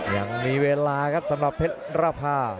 ยังมีเวลาครับสำหรับเพชรระพา